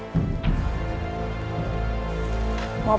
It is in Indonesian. kamu sangat berat